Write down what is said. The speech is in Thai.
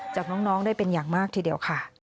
จากน้องได้เป็นอย่างมากทีเดียวค่ะ